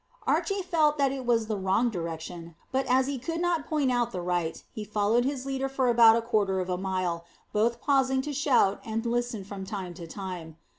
Archy felt that it was the wrong direction, but, at he could not point out the right, he followed his leader for about a quarter of a mile, both pausing to shout and listen from time to time.